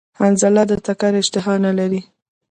حنظله د تکری اشتها نلری